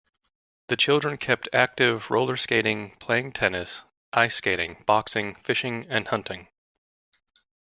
The children kept active roller-skating, playing tennis, ice-skating, boxing, fishing and hunting.